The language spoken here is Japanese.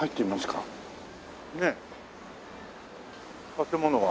建物は。